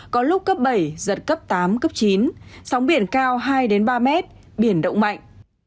có lúc cấp bảy giật cấp tám cấp chín sóng biển cao hai ba mét biển động mạnh